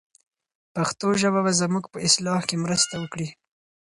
پښتو ژبه به زموږ په اصلاح کې مرسته وکړي.